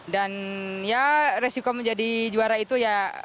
dan ya resiko menjadi juara itu ya